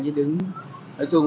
đều được các lực lượng